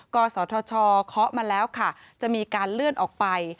กศธชเคาะมาแล้วค่ะจะมีการเลื่อนออกไป